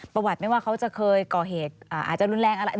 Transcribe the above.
ประวัติไม่ว่าเขาจะเคยก่อเหตุอาจจะรุนแรงอะไร